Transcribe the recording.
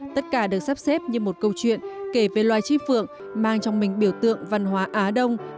tất cả được sắp xếp như một câu chuyện kể về loài chi phượng mang trong mình biểu tượng văn hóa á đông